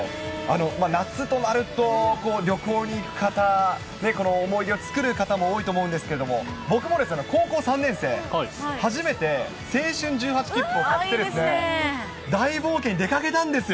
夏となると旅行に行く方ね、思い出を作る方も多いと思うんですけれども、僕もですね、高校３年生、初めて青春１８きっぷを買ってですね、大冒険に出かけたんですよ。